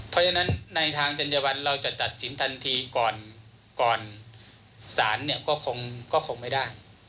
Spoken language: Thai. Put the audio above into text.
เพราะฉะนั้นในทางจัญญวัลเราจะตัดสินทันทีก่อนศาลเนี่ยก็คงไม่ได้